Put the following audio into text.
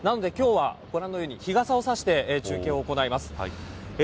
今日はご覧のように日傘を差して中継を行います。